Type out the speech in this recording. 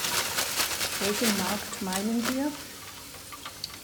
Welchen Markt meinen wir?